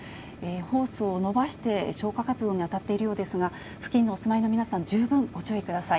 ホースを伸ばして、消火活動に当たっているようですが、付近にお住いの皆さん、十分ご注意ください。